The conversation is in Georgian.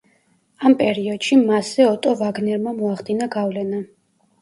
ამ პერიოდში მასზე ოტო ვაგნერმა მოახდინა გავლენა.